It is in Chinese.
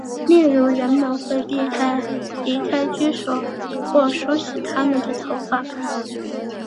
例如人们会避免离开居所或梳洗他们的头发。